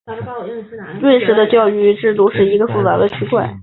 瑞士的教育制度是一个复杂的区块。